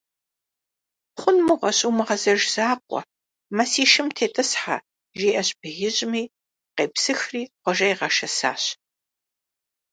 Хъун мыгъуэщ, умыгъэзэж закъуэ, мэ си шым тетӀысхьэ, - жиӀэщ беижьми, къепсыхри Хъуэжэ игъэшэсащ.